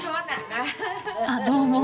あっどうも。